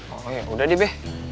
oh ya udah deh